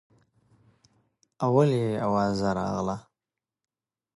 اول یې اوازه راغله.